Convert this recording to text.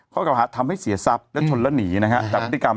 เก่าหาทำให้เสียทรัพย์และชนแล้วหนีนะฮะจากพฤติกรรม